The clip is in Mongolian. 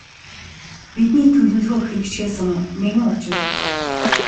Бидний төлөвлөгөө хэрэгжихээс өмнө нэгэн учрал тохиолдов.